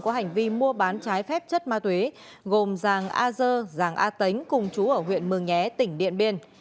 có hành vi mua bán trái phép chất ma túy gồm giàng a dơ giàng a tính cùng chú ở huyện mường nhé tỉnh điện biên